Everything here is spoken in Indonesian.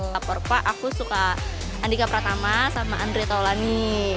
lapor pak aku suka andika pratama sama andre taulani